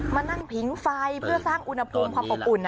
มานั่งผิงไฟเพื่อสร้างอุณหภูมิความอบอุ่น